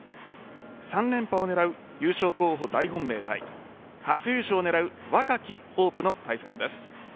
３連覇を狙う優勝候補大本命対初優勝を狙う若きホープの対戦です。